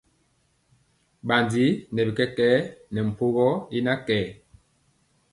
Bandi nɛ bi kɛkɛɛ ri mpogɔ ne na kɛɛr.